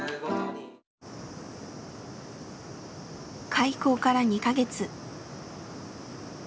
開校から２か月。